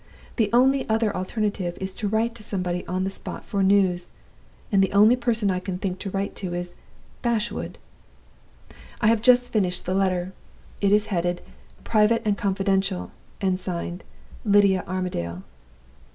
The only other alternative is to write to somebody on the spot for news; and the only person I can write to is Bashwood. "I have just finished the letter. It is headed 'private and confidential,' and signed 'Lydia Armadale.